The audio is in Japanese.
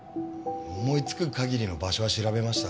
思いつく限りの場所は調べました。